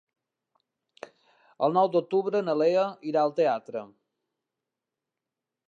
El nou d'octubre na Lea irà al teatre.